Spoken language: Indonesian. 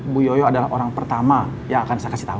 bu yoyo adalah orang pertama yang akan saya kasih tahu